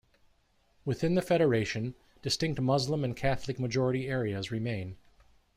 Within the Federation, distinct Muslim and Catholic majority areas remain.